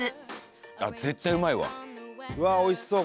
うわ美味しそう！